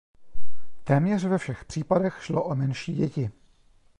Téměř ve všech případech šlo o menší děti.